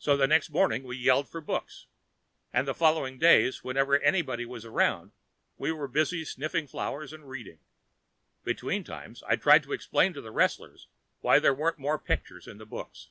So the next morning, we yelled for books. And for the following days, whenever anybody was around, we were busy sniffing flowers and reading. Between times, I tried to explain to the wrestlers why there weren't more pictures in the books.